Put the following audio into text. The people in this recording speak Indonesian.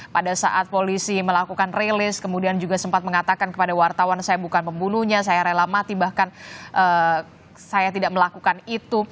pada saat polisi melakukan rilis kemudian juga sempat mengatakan kepada wartawan saya bukan pembunuhnya saya rela mati bahkan saya tidak melakukan itu